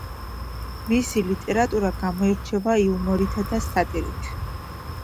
მისი ლიტერატურა გამოირჩევა იუმორითა და სატირით.